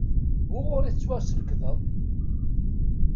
Wuɣur i tettwasnekdeḍ?